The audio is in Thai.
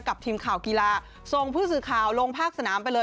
กับทีมข่าวกีฬาทรงพฤษข่าวลงภาคสนามไปเลย